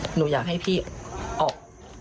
หนูอยากให้พี่ออก